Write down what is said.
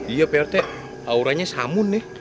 iya pak retek auranya samun nih